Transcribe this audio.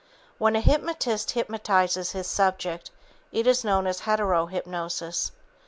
When a hypnotist hypnotizes his subject, it is known as hetero hypnosis.